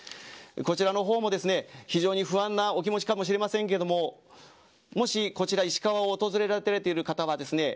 こちらの方もですね非常に不安なお気持ちかもしれませんけれどももしこちら、石川を訪れられている方はですね